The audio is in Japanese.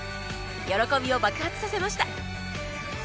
喜びを爆発させました